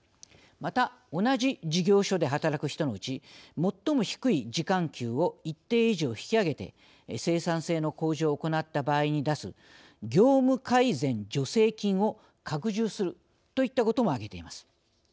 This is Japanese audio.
また、同じ事業所で働く人のうち最も低い時間給を一定以上、引き上げて生産性の向上を行った場合に出す業務改善助成金を拡充するといったことも挙げています。